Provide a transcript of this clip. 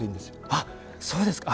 あっそうですか。